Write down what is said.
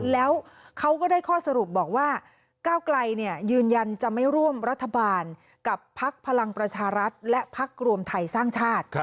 แล้วเขาก็ได้ข้อสรุปบอกว่าก้าวไกลยืนยันจะไม่ร่วมรัฐบาลกับพักพลังประชารัฐและพักรวมไทยสร้างชาติ